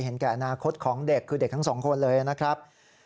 แก่อนาคตของเด็กคือเด็กทั้งสองคนเลยนะครับ